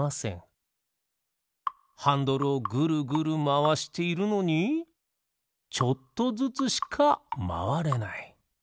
ハンドルをグルグルまわしているのにちょっとずつしかまわれない。